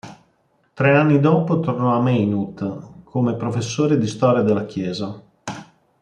Tre anni dopo tornò a Maynooth come professore di Storia della Chiesa.